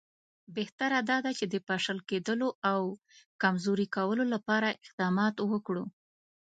بهتره دا ده چې د پاشل کېدلو او کمزوري کولو لپاره اقدامات وکړو.